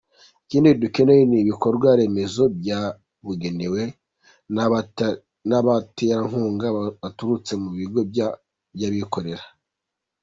Ikindi dukeneye n’ibikorwa remezo byabugenewe n’abaterankunga baturutse mu bigo by’abikorera.